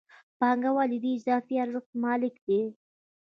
پانګوال د دې اضافي ارزښت مالک دی